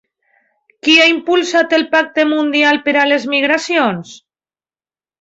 Qui ha impulsat el Pacte mundial per a les migracions?